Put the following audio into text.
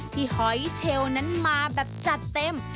หอยเชลนั้นมาแบบจัดเต็ม